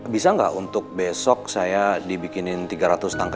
bisa gak untuk besok saya kembali ke ruangan saya